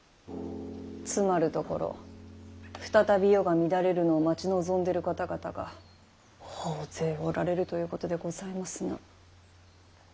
詰まるところ再び世が乱れるのを待ち望んでる方々が大勢おられるということでございますな。